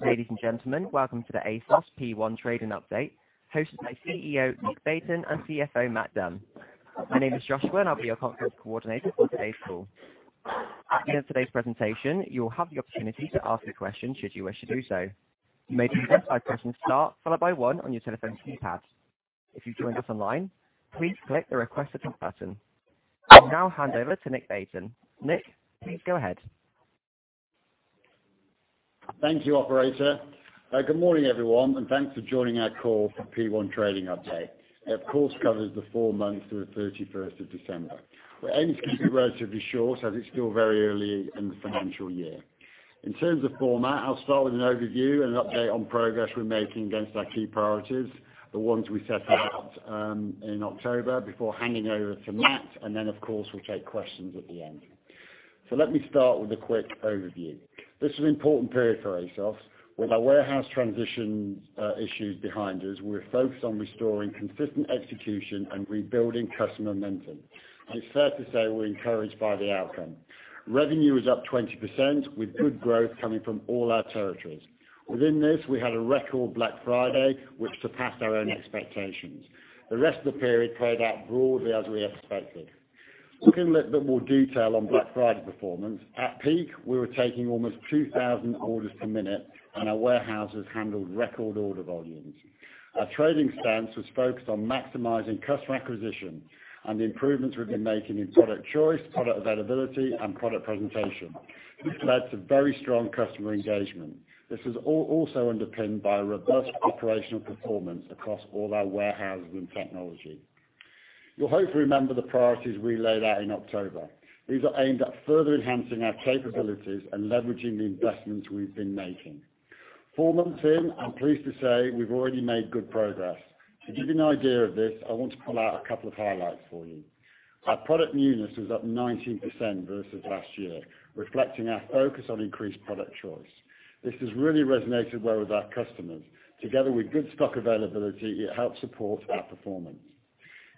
Ladies and gentlemen, welcome to the ASOS P1 Trading Update, hosted by CEO Nick Beighton and CFO Matt Dunn. My name is Joshua, and I will be your conference coordinator for today's call. At the end of today's presentation, you will have the opportunity to ask a question should you wish to do so. You may do so by pressing Star followed by One on your telephone keypad. If you've joined us online, please click the Request to Talk button. I will now hand over to Nick Beighton. Nick, please go ahead. Thank you, operator. Good morning, everyone. Thanks for joining our call for P1 Trading Update. Our call covers the four months through the 31 of December. We aim to keep it relatively short, as it's still very early in the financial year. In terms of format, I will start with an overview, an update on progress we're making against our key priorities, the ones we set out in October, before handing over to Matt. Then of course, we'll take questions at the end. Let me start with a quick overview. This is an important period for ASOS. With our warehouse transition issues behind us, we're focused on restoring consistent execution and rebuilding customer momentum. It's fair to say we're encouraged by the outcome. Revenue is up 20%, with good growth coming from all our territories. Within this, we had a record Black Friday, which surpassed our own expectations. The rest of the period played out broadly as we expected. Looking at a little bit more detail on Black Friday performance, at peak, we were taking almost 2,000 orders per minute, and our warehouses handled record order volumes. Our trading stance was focused on maximizing customer acquisition and the improvements we've been making in product choice, product availability, and product presentation. This led to very strong customer engagement. This is also underpinned by robust operational performance across all our warehouses and technology. You'll hopefully remember the priorities we laid out in October. These are aimed at further enhancing our capabilities and leveraging the investments we've been making. Four months in, I'm pleased to say we've already made good progress. To give you an idea of this, I want to pull out a couple of highlights for you. Our product newness was up 19% versus last year, reflecting our focus on increased product choice. This has really resonated well with our customers. Together with good stock availability, it helped support our performance.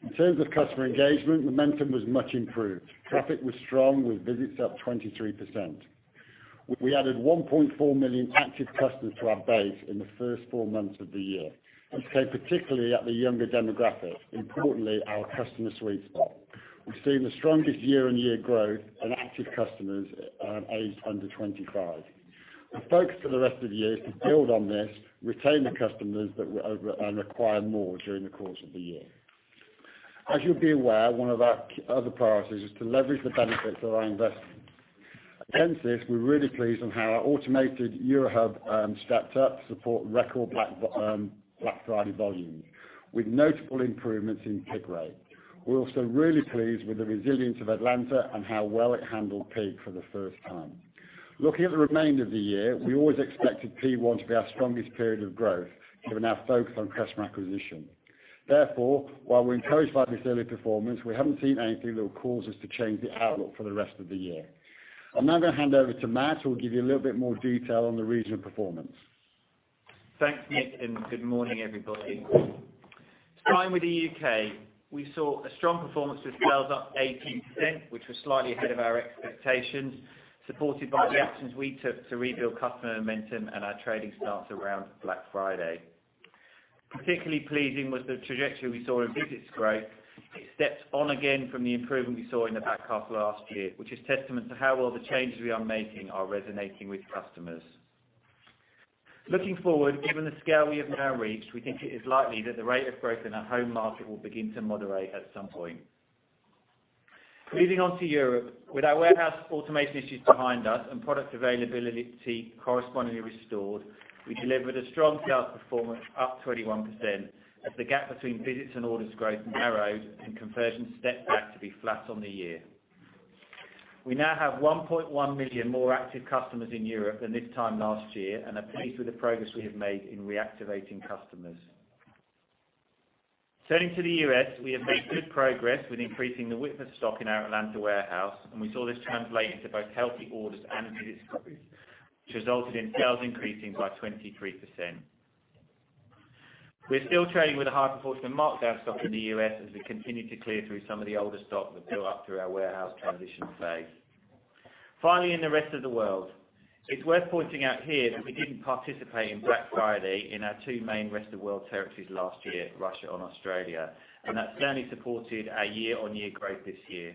In terms of customer engagement, momentum was much improved. Traffic was strong, with visits up 23%. We added 1.4 million active customers to our base in the first four months of the year, and stayed particularly at the younger demographic, importantly, our customer sweet spot. We've seen the strongest year-on-year growth in active customers aged under 25. The focus for the rest of the year is to build on this, retain the customers that were over and acquire more during the course of the year. As you'll be aware, one of our other priorities is to leverage the benefits of our investment. Against this, we're really pleased on how our automated Euro Hub stepped up to support record Black Friday volumes, with notable improvements in pick rate. We're also really pleased with the resilience of Atlanta and how well it handled peak for the first time. Looking at the remainder of the year, we always expected P1 to be our strongest period of growth, given our focus on customer acquisition. Therefore, while we're encouraged by this early performance, we haven't seen anything that would cause us to change the outlook for the rest of the year. I'm now going to hand over to Matt, who will give you a little bit more detail on the regional performance. Thanks, Nick. Good morning, everybody. Starting with the U.K., we saw a strong performance with sales up 18%, which was slightly ahead of our expectations, supported by the actions we took to rebuild customer momentum and our trading stance around Black Friday. Particularly pleasing was the trajectory we saw in visits growth. It stepped on again from the improvement we saw in the back half of last year, which is testament to how well the changes we are making are resonating with customers. Looking forward, given the scale we have now reached, we think it is likely that the rate of growth in our home market will begin to moderate at some point. Moving on to Europe. With our warehouse automation issues behind us and product availability correspondingly restored, we delivered a strong sales performance, up 21%, as the gap between visits and orders growth narrowed and conversions stepped back to be flat on the year. We now have 1.1 million more active customers in Europe than this time last year and are pleased with the progress we have made in reactivating customers. Turning to the U.S., we have made good progress with increasing the width of stock in our Atlanta warehouse, and we saw this translate into both healthy orders and visits growth, which resulted in sales increasing by 23%. We're still trading with a higher proportion of marked-down stock in the U.S. as we continue to clear through some of the older stock that built up through our warehouse transition phase. Finally, in the rest of the world, it's worth pointing out here that we didn't participate in Black Friday in our two main rest-of-world territories last year, Russia and Australia. That certainly supported our year-on-year growth this year.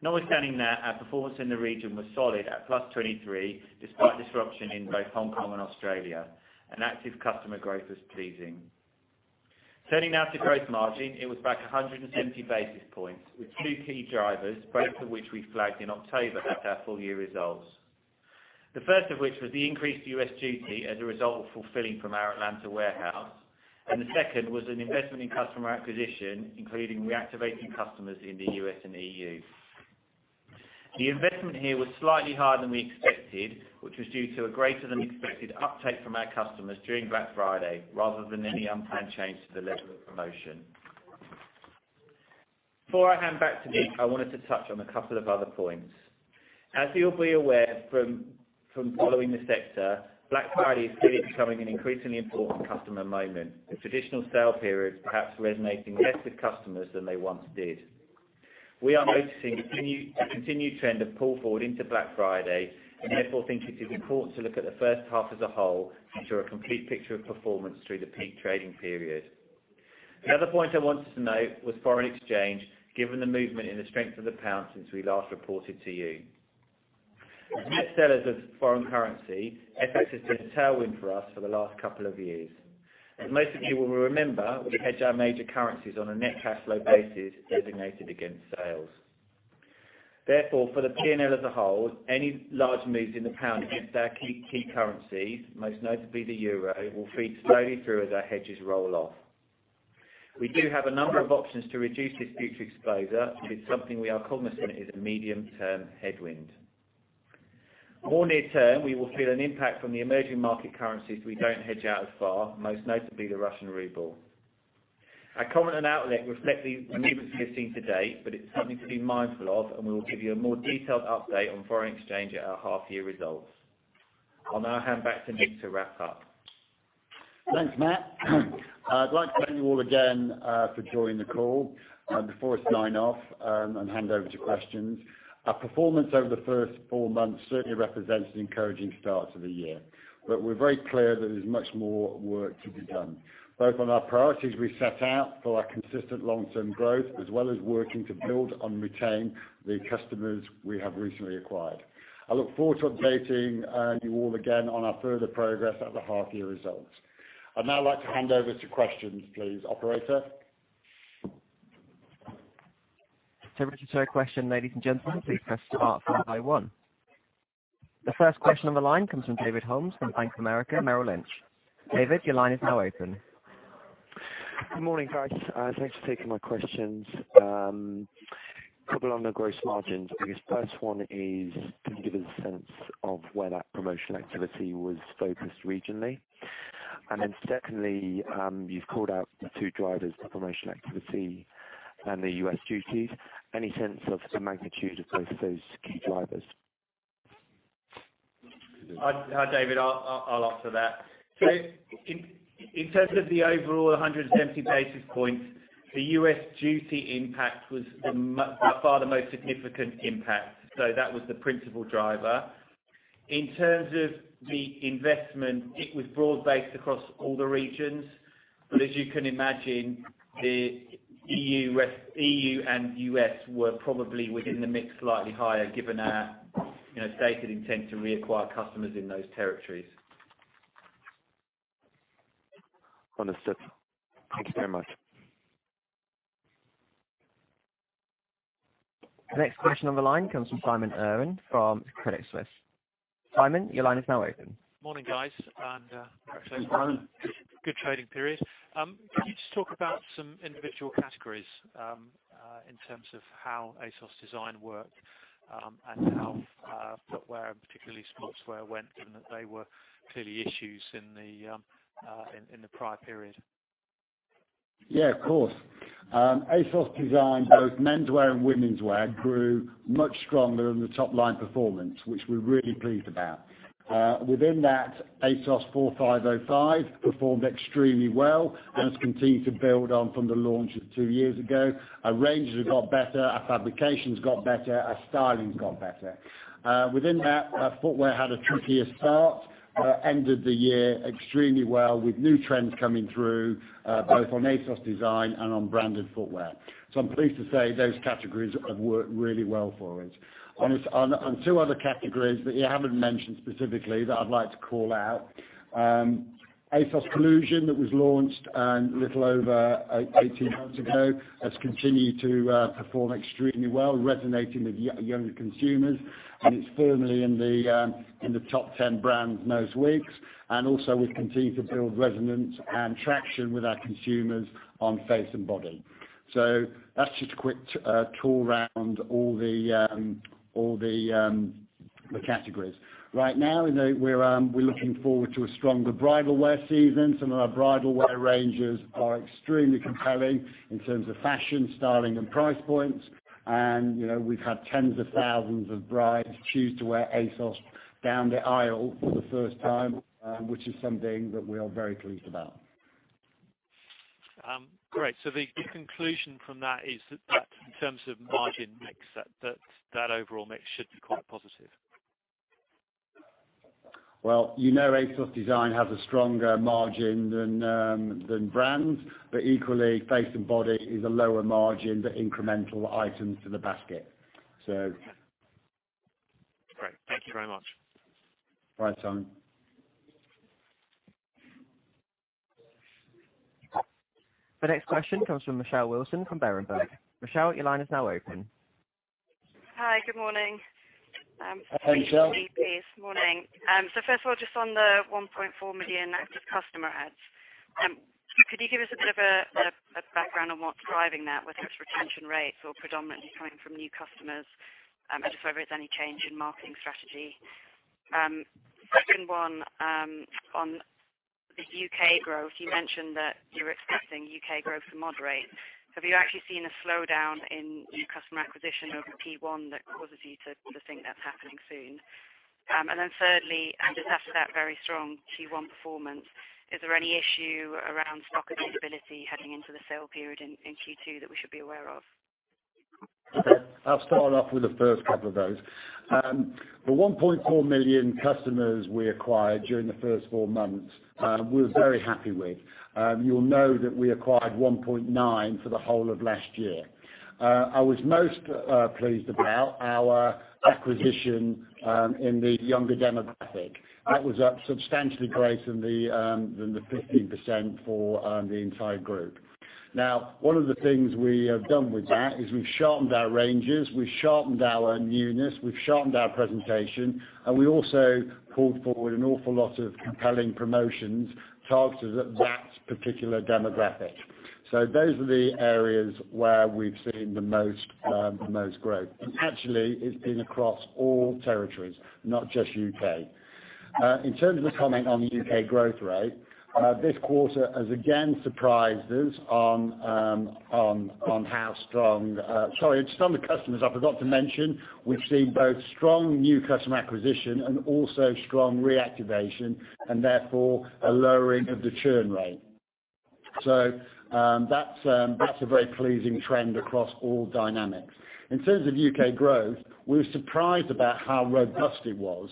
Notwithstanding that, our performance in the region was solid at +23%, despite disruption in both Hong Kong and Australia. Active customer growth was pleasing. Turning now to gross margin. It was back 170 basis points, with two key drivers, both of which we flagged in October at our full year results. The first of which was the increased U.S. duty as a result of fulfilling from our Atlanta warehouse. The second was an investment in customer acquisition, including reactivating customers in the U.S. and EU. The investment here was slightly higher than we expected, which was due to a greater-than-expected uptake from our customers during Black Friday rather than any unplanned change to the level of promotion. Before I hand back to Nick, I wanted to touch on a couple of other points. As you'll be aware from following the sector, Black Friday is clearly becoming an increasingly important customer moment, with traditional sale periods perhaps resonating less with customers than they once did. We are noticing the continued trend of pull forward into Black Friday, and therefore think it is important to look at the first half as a whole to ensure a complete picture of performance through the peak trading period. Another point I wanted to note was foreign exchange, given the movement in the strength of the pound since we last reported to you. As net sellers of foreign currency, FX has been a tailwind for us for the last couple of years. As most of you will remember, we hedge our major currencies on a net cash flow basis, designated against sales. For the P&L as a whole, any large moves in the pound against our key currencies, most notably the euro, will feed slowly through as our hedges roll off. We do have a number of options to reduce this future exposure. It's something we are cognizant is a medium-term headwind. More near term, we will feel an impact from the emerging market currencies we don't hedge out as far, most notably the Russian ruble. Our comment on outlet reflect the movements we have seen to date, but it's something to be mindful of, and we will give you a more detailed update on foreign exchange at our half year results. I'll now hand back to Nick to wrap up. Thanks, Matt. I'd like to thank you all again for joining the call. Before I sign off and hand over to questions, our performance over the first four months certainly represents an encouraging start to the year. We're very clear that there's much more work to be done, both on our priorities we set out for our consistent long-term growth, as well as working to build and retain the customers we have recently acquired. I look forward to updating you all again on our further progress at the half year results. I'd now like to hand over to questions, please. Operator? To register a question, ladies and gentlemen, please press star then 1. The first question on the line comes from David Holmes from Bank of America Merrill Lynch. David, your line is now open. Good morning, guys. Thanks for taking my questions. Couple on the gross margins. I guess first one is, can you give us a sense of where that promotional activity was focused regionally? Secondly, you've called out the two drivers, the promotional activity and the U.S. duties. Any sense of the magnitude of those key drivers? Hi, David, I will answer that. In terms of the overall 170 basis points, the U.S. duty impact was by far the most significant impact. That was the principal driver. In terms of the investment, it was broad-based across all the regions. As you can imagine, the EU and U.S. were probably within the mix slightly higher given our stated intent to reacquire customers in those territories. Understood. Thank you very much. The next question on the line comes from Simon Irwin from Credit Suisse. Simon, your line is now open. Morning, guys. Morning. Thanks for the good trading period. Could you just talk about some individual categories in terms of how ASOS DESIGN worked and how footwear, and particularly sportswear went, given that they were clearly issues in the prior period? Yeah, of course. ASOS DESIGN, both menswear and womenswear, grew much stronger than the top-line performance, which we're really pleased about. Within that, ASOS 4505 performed extremely well and has continued to build on from the launch of two years ago. Our ranges have got better, our fabrication's got better, our styling's got better. Within that, footwear had a trickier start, ended the year extremely well with new trends coming through, both on ASOS DESIGN and on branded footwear. I'm pleased to say those categories have worked really well for us. On two other categories that you haven't mentioned specifically that I'd like to call out, COLLUSION, that was launched a little over 18 months ago, has continued to perform extremely well, resonating with younger consumers. It's firmly in the top 10 brands most weeks. Also, we continue to build resonance and traction with our consumers on Face + Body. That's just a quick tour around all the categories. Right now, we're looking forward to a stronger bridal wear season. Some of our bridal wear ranges are extremely compelling in terms of fashion, styling, and price points. We've had tens of thousands of brides choose to wear ASOS down the aisle for the first time, which is something that we are very pleased about. Great. The conclusion from that is that in terms of margin mix, that overall mix should be quite positive? Well, you know ASOS DESIGN has a stronger margin than brands, but equally, Face + Body is a lower margin, but incremental items to the basket. Great. Thank you very much. All right, Simon. The next question comes from Anne Critchlow from Berenberg. Michelle, your line is now open. Hi. Good morning. Hi, Michelle. For the GPs. Morning. First of all, just on the 1.4 million active customer adds. Could you give us a bit of a background on what's driving that, whether it's retention rates or predominantly coming from new customers? Just whether it's any change in marketing strategy. Second one, on the U.K. growth, you mentioned that you're expecting U.K. growth to moderate. Have you actually seen a slowdown in new customer acquisition over P1 that causes you to think that's happening soon? Thirdly, after that very strong Q1 performance, is there any issue around stock availability heading into the sale period in Q2 that we should be aware of? Okay. I will start off with the first couple of those. The 1.4 million customers we acquired during the first four months, we're very happy with. You'll know that we acquired 1.9 for the whole of last year. I was most pleased about our acquisition in the younger demographic. That was up substantially greater than the 15% for the entire group. One of the things we have done with that is we've sharpened our ranges, we sharpened our newness, we've sharpened our presentation, and we also pulled forward an awful lot of compelling promotions targeted at that particular demographic. Those are the areas where we've seen the most growth. Actually, it's been across all territories, not just U.K. In terms of commenting on the U.K. growth rate, this quarter has again surprised us on how strong. Sorry, just on the customers, I forgot to mention, we've seen both strong new customer acquisition and also strong reactivation, and therefore a lowering of the churn rate. That's a very pleasing trend across all dynamics. In terms of U.K. growth, we were surprised about how robust it was.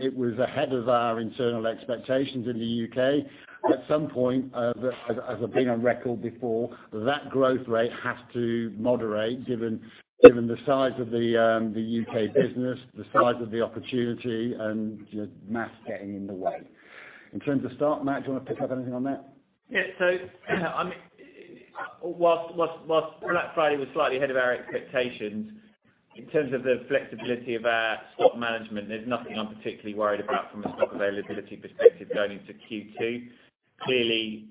It was ahead of our internal expectations in the U.K. At some point, as I've been on record before, that growth rate has to moderate given the size of the U.K. business, the size of the opportunity, and just math getting in the way. In terms of stock, Matt, do you want to pick up anything on that? Yeah. While Black Friday was slightly ahead of our expectations, in terms of the flexibility of our stock management, there's nothing I'm particularly worried about from a stock availability perspective going into Q2. Clearly,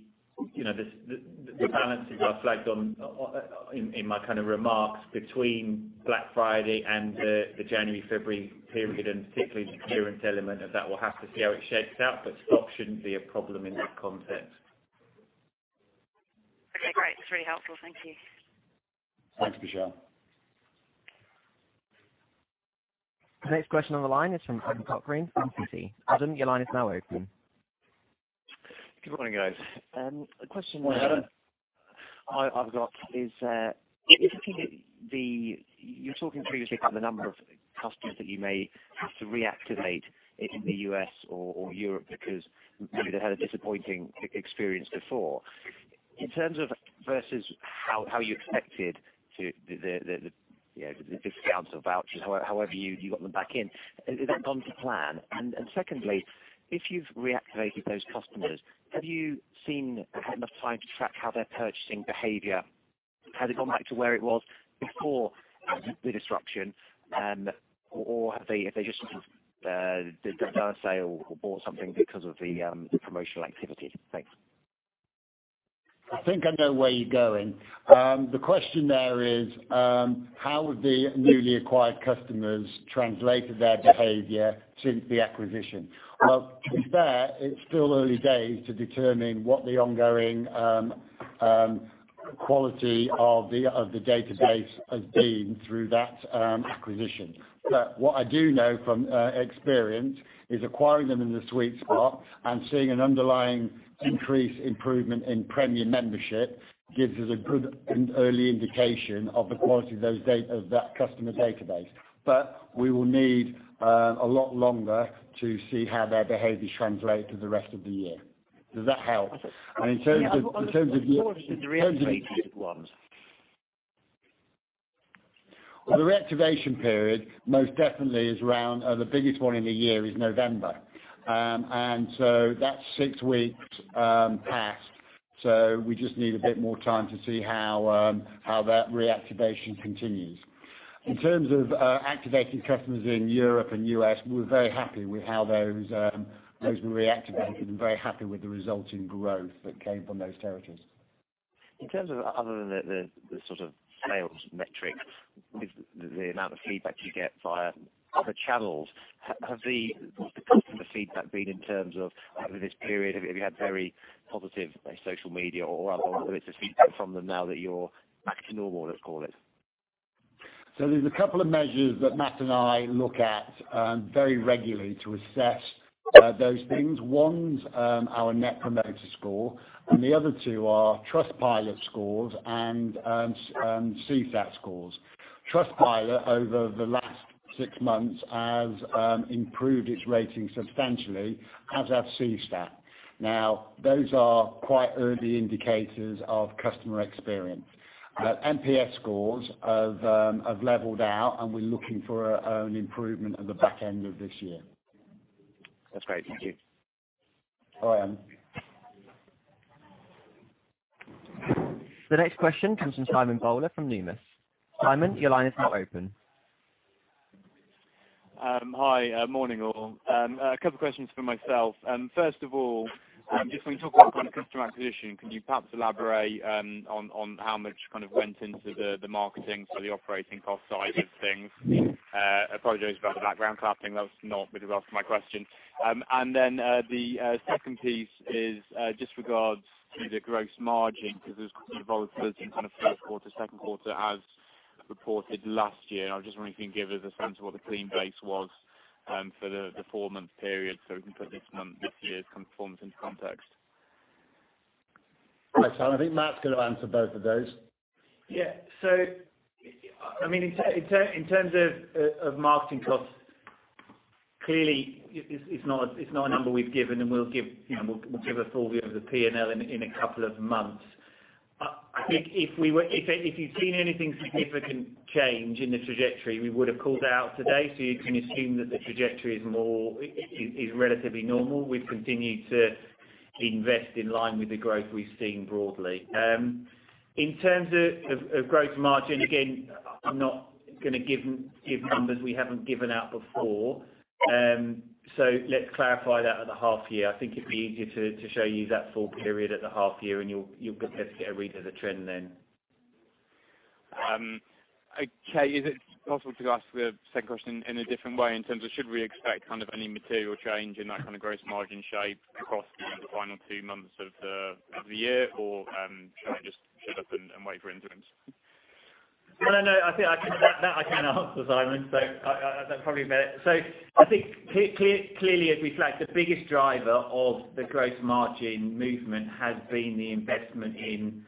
the balances are flagged in my kind of remarks between Black Friday and the January to February period, and particularly the clearance element of that, we'll have to see how it shakes out, but stock shouldn't be a problem in that context. Okay, great. That's really helpful. Thank you. Thanks, Michelle. The next question on the line is from Adam Cochrane from Citi. Adam, your line is now open. Good morning, guys. Morning, Adam. A question I have got is, you were talking previously about the number of customers that you may have to reactivate in the U.S. or Europe because maybe they had a disappointing experience before. In terms of versus how you expected the discounts or vouchers, however you got them back in, has that gone to plan? Secondly, if you've reactivated those customers, have you seen or had enough time to track how their purchasing behavior, has it gone back to where it was before the disruption? Have they just sort of done a sale or bought something because of the promotional activity? Thanks. I think I know where you're going. The question there is how the newly acquired customers translated their behavior since the acquisition. Well, to be fair, it's still early days to determine what the ongoing quality of the database has been through that acquisition. What I do know from experience is acquiring them in the sweet spot and seeing an underlying increase improvement in premium membership gives us a good and early indication of the quality of that customer database. We will need a lot longer to see how their behavior translates through the rest of the year. Does that help? What about the reactivated ones? The reactivation period most definitely is around, the biggest one in the year is November. That's six weeks passed, so we just need a bit more time to see how that reactivation continues. In terms of activating customers in Europe and U.S., we're very happy with how those were reactivated and very happy with the resulting growth that came from those territories. In terms of other than the sort of sales metrics, the amount of feedback you get via other channels, what is the customer feedback been in terms of over this period? Have you had very positive social media or other feedback from them now that you are back to normal, let us call it? There's a couple of measures that Matt and I look at very regularly to assess those things. One's our net promoter score, and the other two are Trustpilot scores and CSAT scores. Trustpilot, over the last six months, has improved its rating substantially, as has CSAT. Those are quite early indicators of customer experience. NPS scores have leveled out, and we're looking for an improvement at the back end of this year. That's great. Thank you. All right. The next question comes from Simon Bowler from Numis. Simon, your line is now open. Hi. Morning, all. A couple questions from myself. First of all, just when you talk about customer acquisition, can you perhaps elaborate on how much went into the marketing for the operating cost side of things? Apologies about the background clapping, that was not relevant to my question. The second piece is just regards to the gross margin, because there was volatility in first quarter, second quarter as reported last year. I was just wondering if you can give us a sense of what the clean base was for the four-month period so we can put this year's performance into context. Hi, Simon. I think Matt's going to answer both of those. In terms of marketing costs, clearly it's not a number we've given, and we'll give a full view of the P&L in a couple of months. If you've seen anything significant change in the trajectory, we would have called it out today, you can assume that the trajectory is relatively normal. We've continued to invest in line with the growth we've seen broadly. In terms of gross margin, again, I'm not going to give numbers we haven't given out before. Let's clarify that at the half year. I think it'd be easier to show you that full period at the half year, and you'll be able to get a read of the trend then. Okay. Is it possible to ask the second question in a different way, in terms of should we expect any material change in that kind of gross margin shape across the final two months of the year? Should I just shut up and wait for interims? No, I think that I can answer, Simon. That's probably better. I think clearly, as we flagged, the biggest driver of the gross margin movement has been the investment in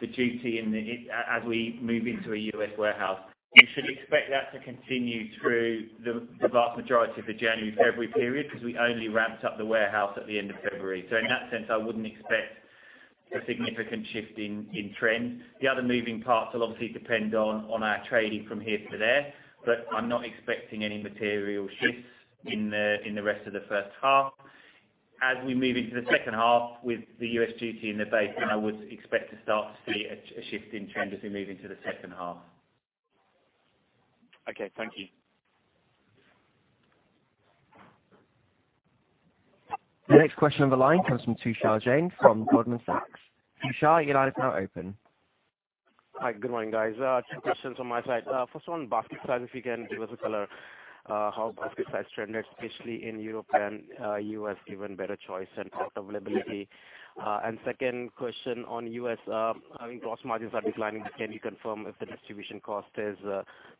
the duty as we move into a U.S. warehouse. You should expect that to continue through the vast majority of the January, February period, because we only ramped up the warehouse at the end of February. In that sense, I wouldn't expect a significant shift in trends. The other moving parts will obviously depend on our trading from here to there, I'm not expecting any material shifts in the rest of the first half. As we move into the second half with the U.S. duty in the base, I would expect to start to see a shift in trend as we move into the second half. Okay, thank you. The next question on the line comes from Tushar Jain from Goldman Sachs. Tushar, your line is now open. Hi, good morning, guys. Two questions on my side. First one, basket size, if you can give us a color, how basket size trended, especially in Europe and U.S., given better choice and stock availability. Second question on U.S., I think gross margins are declining. Can you confirm if the distribution cost is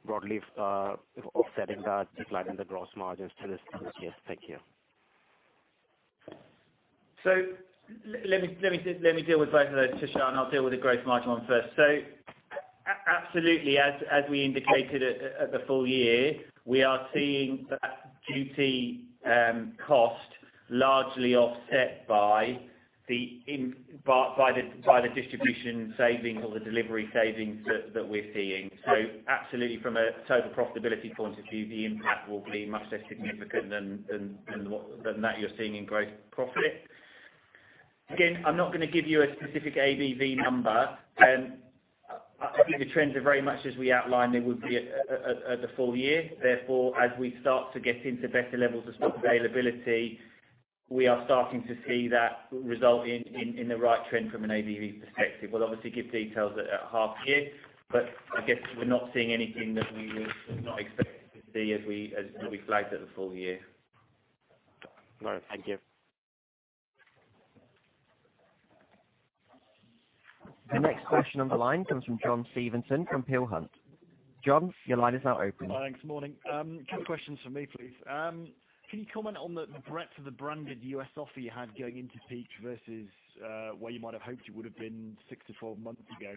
broadly offsetting that decline in the gross margins for this full year? Thank you. Let me deal with both of those, Tushar, and I'll deal with the gross margin one first. Absolutely, as we indicated at the full year, we are seeing that duty cost largely offset by the distribution savings or the delivery savings that we're seeing. Absolutely, from a total profitability point of view, the impact will be much less significant than that you're seeing in gross profit. Again, I'm not going to give you a specific AOV number. I think the trends are very much as we outlined they would be at the full year. Therefore, as we start to get into better levels of stock availability, we are starting to see that result in the right trend from an AOV perspective. We'll obviously give details at half year, but I guess we're not seeing anything that we would not expect to see as we flagged at the full year. All right, thank you. The next question on the line comes from John Stevenson from Peel Hunt. John, your line is now open. Morning. Morning. Two questions from me, please. Can you comment on the breadth of the branded U.S. offer you had going into peak versus, where you might have hoped you would have been six to 12 months ago?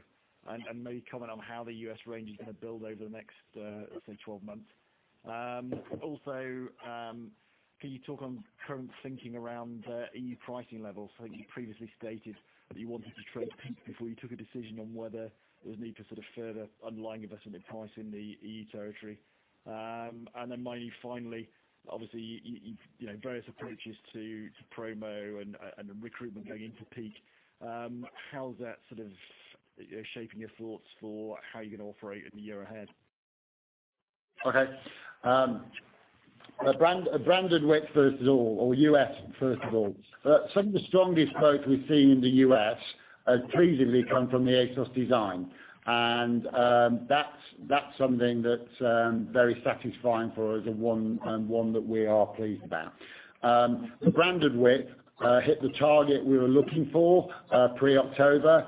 Maybe comment on how the U.S. range is going to build over the next, say, 12 months. Also, can you talk on current thinking around E.U. pricing levels? I think you previously stated that you wanted to trade peak before you took a decision on whether there was a need for further underlying investment in pricing the E.U. territory. Maybe finally, obviously, various approaches to promo and recruitment going into peak. How's that sort of shaping your thoughts for how you're going to operate in the year ahead? Okay. Branded width first of all, or U.S. first of all. Some of the strongest growth we've seen in the U.S. has pleasingly come from the ASOS DESIGN. That's something that's very satisfying for us and one that we are pleased about. The branded width hit the target we were looking for pre-October,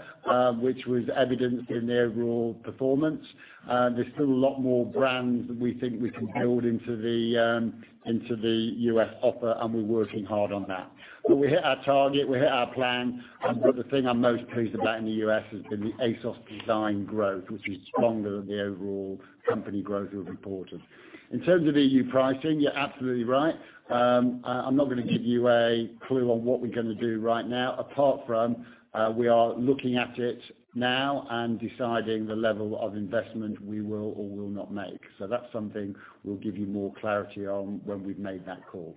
which was evident in the overall performance. There's still a lot more brands that we think we can build into the U.S. offer, and we're working hard on that. We hit our target, we hit our plan, and the thing I'm most pleased about in the U.S. has been the ASOS DESIGN growth, which was stronger than the overall company growth we've reported. In terms of E.U. pricing, you're absolutely right. I'm not going to give you a clue on what we're going to do right now, apart from we are looking at it now and deciding the level of investment we will or will not make. That's something we'll give you more clarity on when we've made that call.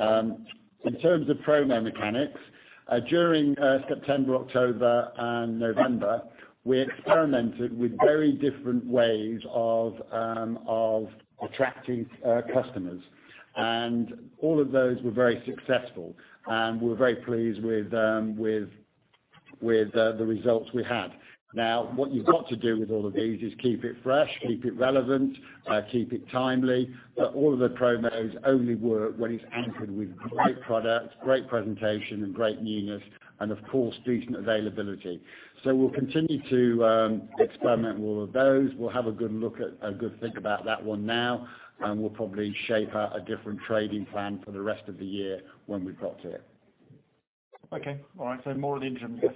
In terms of promo mechanics, during September, October, and November, we experimented with very different ways of attracting customers. All of those were very successful, and we're very pleased with the results we had. Now, what you've got to do with all of these is keep it fresh, keep it relevant, keep it timely. All of the promos only work when it's anchored with great product, great presentation, and great newness, and of course, decent availability. We'll continue to experiment with all of those. We'll have a good think about that one now, and we'll probably shape out a different trading plan for the rest of the year when we've got to it. Okay. All right. More of the interim, I guess.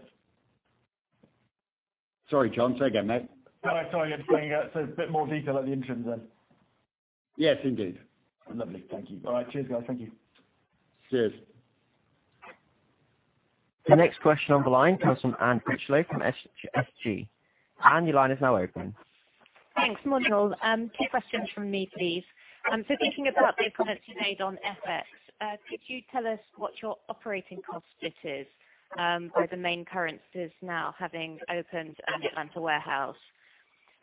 Sorry, John. Say again, mate? No, sorry. I'm just saying, so a bit more detail at the interim, then. Yes, indeed. Lovely. Thank you. All right. Cheers, guys. Thank you. Cheers. The next question on the line comes from Anne Critchlow from Berenberg. Anne, your line is now open. Thanks. Morning all. Two questions from me, please. Thinking about the comments you made on FX, could you tell us what your operating cost split is for the main currencies now having opened an Atlanta warehouse?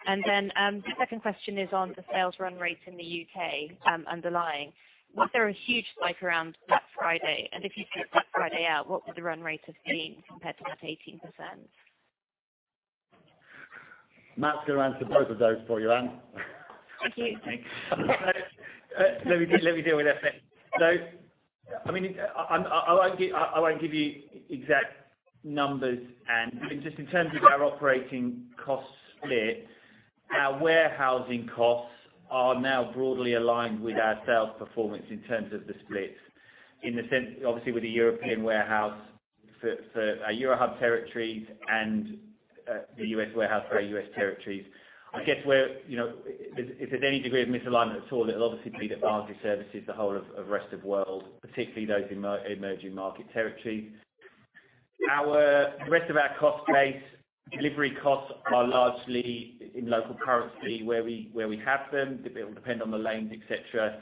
The second question is on the sales run rate in the U.K., underlying. Was there a huge spike around Black Friday? If you took Black Friday out, what would the run rate have been compared to that 18%? Matt's going to answer both of those for you, Anne. Thank you. Thanks. Let me deal with FX. I won't give you exact numbers, Anne, but just in terms of our operating cost split, our warehousing costs are now broadly aligned with our sales performance in terms of the splits. Obviously, with the European warehouse for our Eurohub territories and the U.S. warehouse for our U.S. territories. If there's any degree of misalignment at all, it'll obviously be the advisory services, the whole of rest of world, particularly those emerging market territories. The rest of our cost base, delivery costs are largely in local currency where we have them. It will depend on the lanes, et cetera.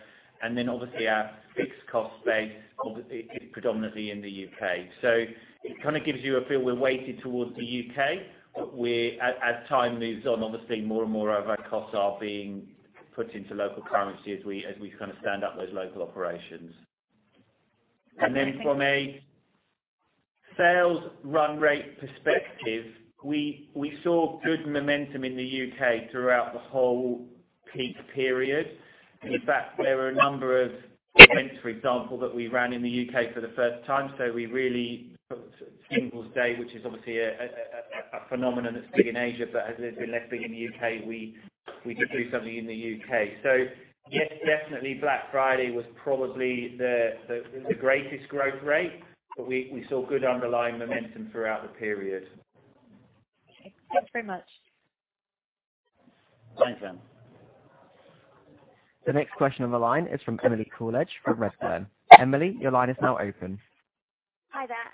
Then obviously our fixed cost base is predominantly in the U.K. It kind of gives you a feel we're weighted towards the U.K. As time moves on, obviously, more and more of our costs are being put into local currency as we stand up those local operations. Okay, thank you. From a sales run rate perspective, we saw good momentum in the U.K. throughout the whole peak period. In fact, there were a number of events, for example, that we ran in the U.K. for the first time. We really put Singles' Day, which is obviously a phenomenon that's big in Asia, but has been less big in the U.K. We did do something in the U.K. Yes, definitely Black Friday was probably the greatest growth rate, but we saw good underlying momentum throughout the period. Okay. Thanks very much. Thanks, Anne. The next question on the line is from Emily Cooledge from Redburn. Emily, your line is now open. Hi there.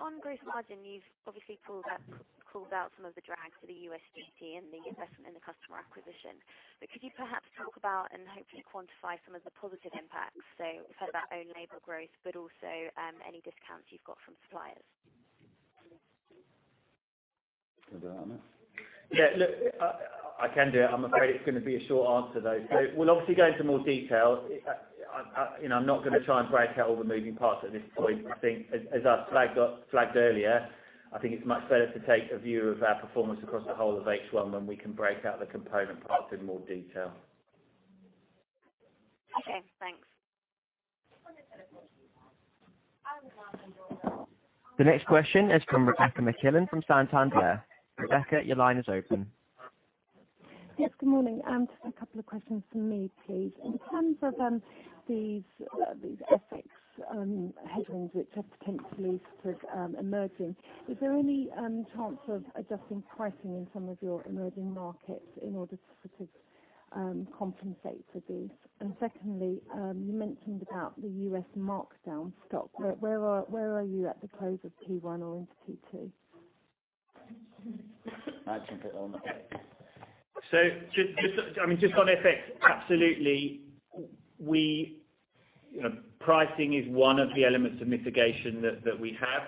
On gross margin, you've obviously called out some of the drag to the USD and the investment in the customer acquisition. Could you perhaps talk about and hopefully quantify some of the positive impacts, so for that own label growth, but also any discounts you've got from suppliers? Want to do that one, Matt? Yeah, look, I can do it. I'm afraid it's going to be a short answer, though. We'll obviously go into more detail. I'm not going to try and break out all the moving parts at this point. I think as I flagged earlier, I think it's much better to take a view of our performance across the whole of H1 than we can break out the component parts in more detail. Okay, thanks. The next question is from Rebecca McClellan from Santander. Rebecca, your line is open. Yes, good morning. Just a couple of questions from me, please. In terms of these FX headwinds which have potentially sort of emerging, is there any chance of adjusting pricing in some of your emerging markets in order to sort of compensate for these? Secondly, you mentioned about the U.S. markdown stock. Where are you at the close of Q1 or into Q2? I can take that one. Just on FX, absolutely. Pricing is one of the elements of mitigation that we have,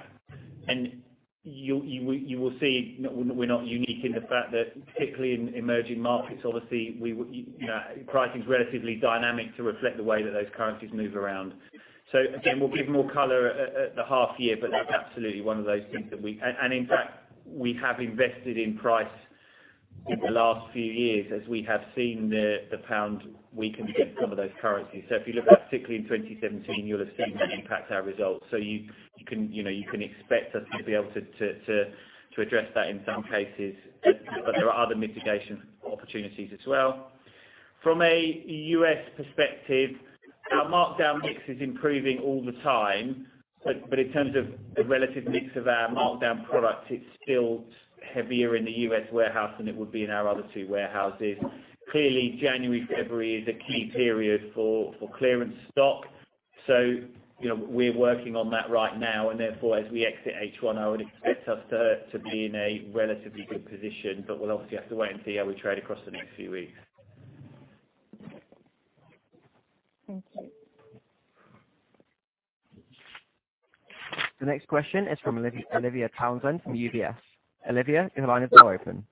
and you will see we're not unique in the fact that particularly in emerging markets, obviously, pricing is relatively dynamic to reflect the way that those currencies move around. Again, we'll give more color at the half year, but that's absolutely one of those things that we-- and in fact, we have invested in price in the last few years as we have seen the pound weaken against some of those currencies. If you look particularly in 2017, you'll have seen that impact our results. You can expect us to be able to address that in some cases, but there are other mitigation opportunities as well. From a U.S. perspective, our markdown mix is improving all the time, in terms of the relative mix of our markdown product, it's still heavier in the U.S. warehouse than it would be in our other two warehouses. January, February is a key period for clearance stock. We're working on that right now, and therefore, as we exit H1, I would expect us to be in a relatively good position, we'll obviously have to wait and see how we trade across the next few weeks. Thank you. The next question is from Olivia Townsend from UBS. Olivia, your line is now open.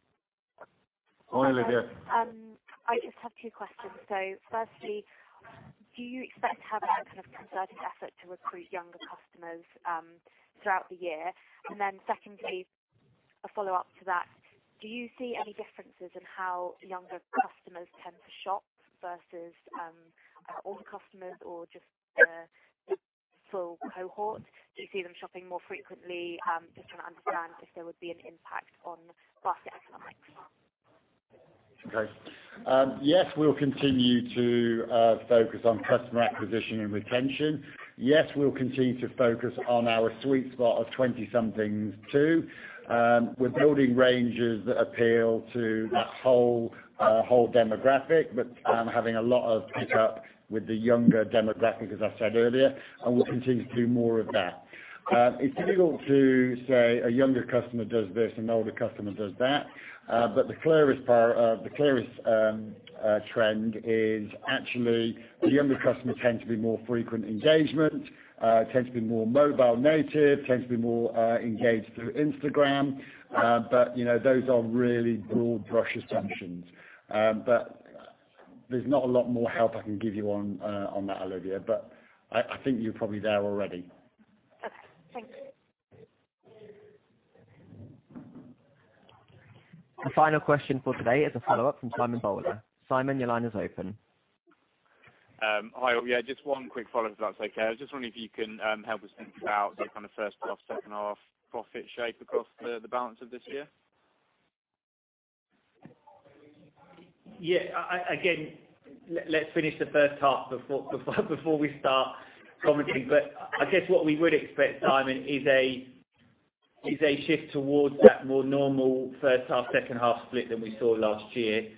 Go on, Olivia. I just have two questions. Firstly, do you expect to have a kind of concerted effort to recruit younger customers throughout the year? Secondly, a follow-up to that, do you see any differences in how younger customers tend to shop versus older customers or just the full cohort? Do you see them shopping more frequently? I'm just trying to understand if there would be an impact on basket economics. Okay. Yes, we will continue to focus on customer acquisition and retention. Yes, we will continue to focus on our sweet spot of 20-somethings too. We're building ranges that appeal to that whole demographic, but having a lot of pick-up with the younger demographic, as I said earlier, and we'll continue to do more of that. It's difficult to say a younger customer does this, an older customer does that. The clearest trend is actually the younger customers tend to be more frequent engagement, tends to be more mobile native, tends to be more engaged through Instagram. Those are really broad brush assumptions. There's not a lot more help I can give you on that, Olivia, but I think you're probably there already. Okay. Thank you. The final question for today is a follow-up from Simon Bowler. Simon, your line is open. Hi. Yeah, just one quick follow-up if that's okay. I was just wondering if you can help us think about the kind of first half, second half profit shape across the balance of this year. Yeah. Let's finish the first half before we start commenting. I guess what we would expect, Simon, is a shift towards that more normal first half, second half split than we saw last year.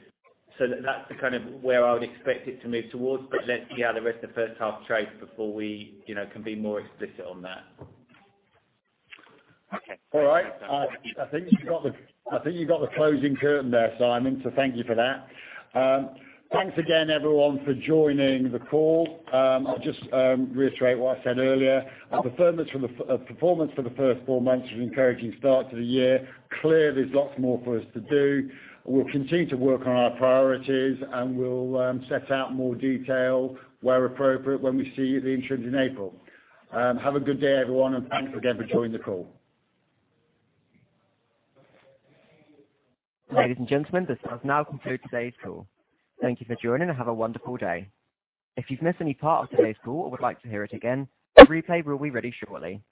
That's the kind of where I would expect it to move towards. Let's see how the rest of the first half trades before we can be more explicit on that. Okay. All right. I think you got the closing curtain there, Simon, so thank you for that. Thanks again, everyone, for joining the call. I'll just reiterate what I said earlier. The performance for the first four months was an encouraging start to the year. Clearly, there's lots more for us to do, and we'll continue to work on our priorities, and we'll set out more detail where appropriate when we see you at the interim in April. Have a good day, everyone, and thanks again for joining the call. Ladies and gentlemen, this does now conclude today's call. Thank you for joining, and have a wonderful day. If you've missed any part of today's call or would like to hear it again, a replay will be ready shortly.